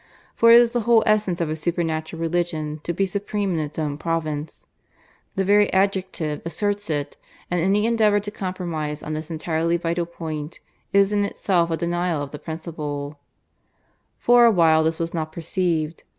For it is the whole essence of a Supernatural Religion to be supreme in it own province the very adjective asserts it; and any endeavour to compromise on this entirely vital point is in itself a denial of the principle, For a while this was not perceived.